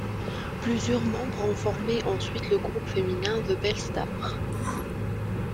Plusieurs membres ont formé ensuite le groupe féminin The Belle Stars.